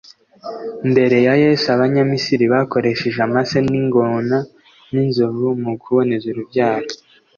mbere ya Yesu, Abanyamisiri bakoresheje amase y'ingona n'inzovu mu kuboneza urubyaro?